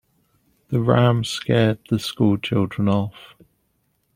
The ram scared the school children off.